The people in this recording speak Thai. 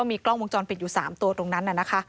มีกล้องวงจรปิดอยู่๓ตัวตรงนั้น